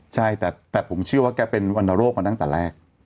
ใช่แต่ผมเชื่อว่าแกเป็นวรรณโรคมาตั้งแต่แรก